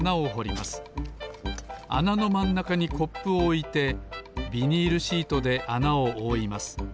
あなのまんなかにコップをおいてビニールシートであなをおおいます。